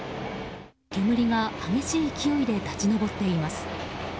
煙が激しい勢いで立ち上っています。